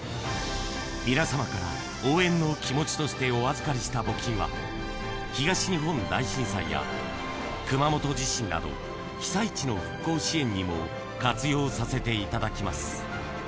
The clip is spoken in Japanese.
皆様から応援の気持ちとしてお預かりした募金は、東日本大震災や、熊本地震など、被災地の復興支援にも活用させていただきます。